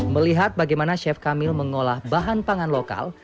melihat bagaimana chef kamil mengolah bahan pangan lokal